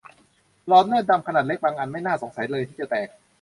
หลอดเลือดดำขนาดเล็กบางอันไม่น่าสงสัยเลยที่จะแตก